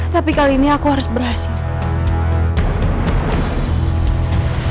tapi kali ini aku harus berhasil